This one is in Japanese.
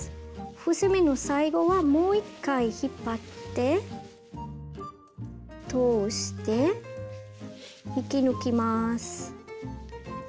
伏せ目の最後はもう一回引っ張って通して引き抜きます。